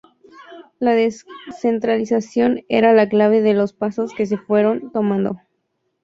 La descentralización era la clave de los pasos que se fueron tomando.